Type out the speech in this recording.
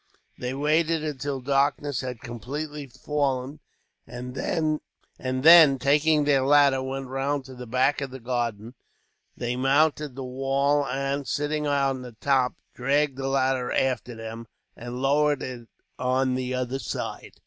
They waited until darkness had completely fallen; and then, taking their ladder, went round to the back of the garden. They mounted the wall and, sitting on the top, dragged the ladder after them, and lowered it on the other side.